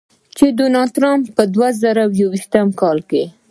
چې د ډونالډ ټرمپ د دوه زره یویشتم کال